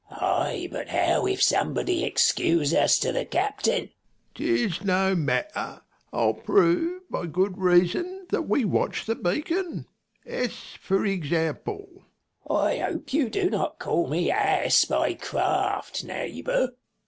1 5 First W. Ay, but how if somebody excuse us to the captain ? Second W. 'Tis no matter, I'll prove by good reason that we watch the beacon : ass for example. First W. I hope you do not call me ass by craft, neighbour.